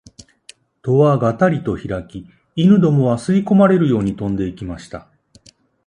戸はがたりとひらき、犬どもは吸い込まれるように飛んで行きました